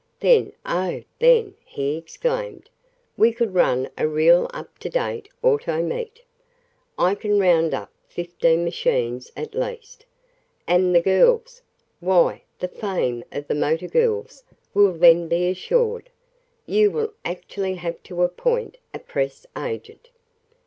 Then, oh, then!" he exclaimed, "we could run a real up to date auto meet. I can round up fifteen machines at least. And the girls! Why, the fame of the motor girls will then be assured. You will actually have to appoint a press agent."